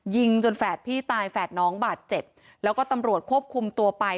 ยิงจนแฝดพี่ตายแฝดน้องบาดเจ็บแล้วก็ตำรวจควบคุมตัวไป